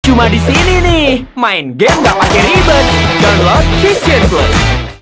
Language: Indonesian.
cuma disini nih main game gak pake ribet download vision plus